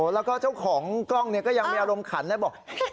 แล้วก็เจ้าของกล้องก็ยังมีอารมณ์ขันนะบอก